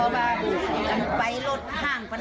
เขาไปรถข้างไป